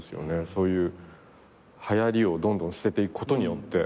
そういうはやりをどんどん捨てていくことによって。